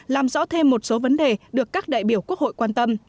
làm rõ thêm một số vấn đề được các đại biểu quốc hội quan tâm